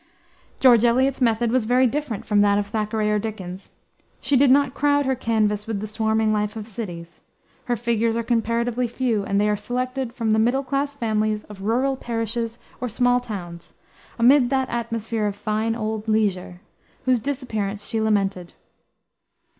George Eliot's method was very different from that of Thackeray or Dickens. She did not crowd her canvas with the swarming life of cities. Her figures are comparatively few, and they are selected from the middle class families of rural parishes or small towns, amid that atmosphere of "fine old leisure," whose disappearance she lamented.